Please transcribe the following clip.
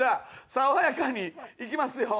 爽やかにいきますよ。